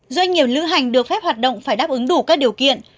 doanh nghiệp lữ hành được phép hoạt động phải đáp ứng đủ các điều kiện